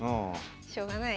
しょうがない。